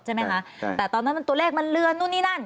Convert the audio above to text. ใช่ไหมคะแต่ตอนนั้นมันตัวเลขมันเลือนนู่นนี่นั่น